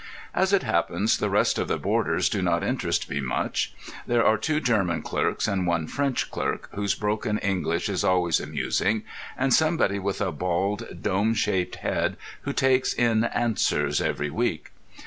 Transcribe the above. As it happens, the rest of the boarders do not interest me much. There are two German clerks and one French clerk, whose broken English is always amusing, and somebody with a bald, dome shaped head who takes in Answers every week.